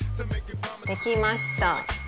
できました。